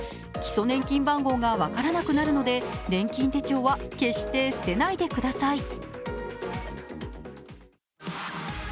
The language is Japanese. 基礎年金番号が分からなくなるので、年金手帳は決して捨てないでください。